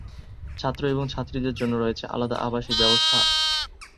ছাত্র এবং ছাত্রীদের জন্য রয়েছে আলাদা আবাসিক ব্যবস্থা।